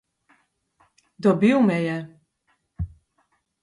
Dobil me je!